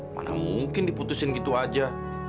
mana mungkin diputusin gitu aja